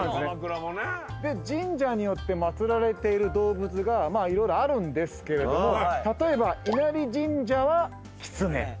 神社によって祭られている動物が色々あるんですけれども例えば。